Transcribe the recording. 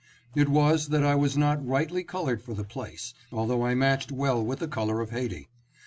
It was that I was not rightly colored for the place, although I matched well with the color of Haiti.